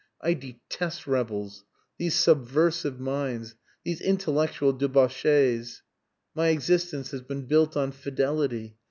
"I detest rebels. These subversive minds! These intellectual debauches! My existence has been built on fidelity.